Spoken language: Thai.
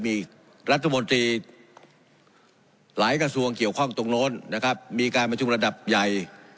มีรัฐมนตรีหลายกระทรวงเกี่ยวข้องตรงโน้นนะครับมีการประชุมระดับใหญ่